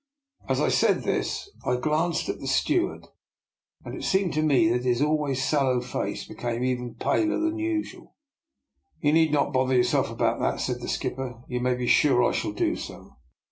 As I said this I glanced at the steward, and it seemed to me his always sallow face became even paler than usual. " You need not bother yourself about that," said the skipper: " you may be sure I shall do so."